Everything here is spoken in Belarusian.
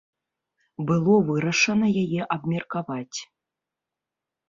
Было вырашана яе абмеркаваць.